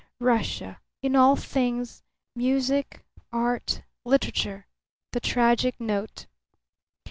Russia, in all things music, art, literature the tragic note.